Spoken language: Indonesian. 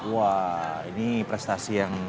wah ini prestasi yang